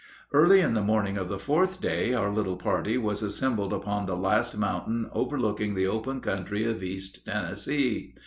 Early in the morning of the fourth day our little party was assembled upon the last mountain overlooking the open country of East Tennessee.